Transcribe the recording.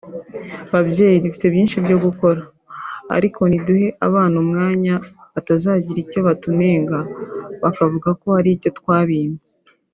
Babyeyi dufite byinshi byo gukora ariko niduhe abana umwanya batazagira icyo batunenga bakavuga ko hari icyo twabimye